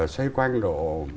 xoay quanh độ